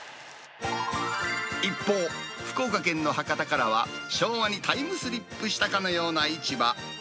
一方、福岡県の博多からは、昭和にタイムスリップしたかのような市場。